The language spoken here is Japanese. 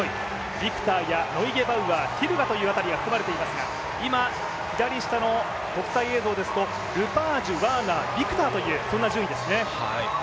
ビクターやノイゲバウアーやティルガという辺りが含まれていますが今、左下の国際映像ですとルパージュ、ワーナー、ビクターという順位ですね。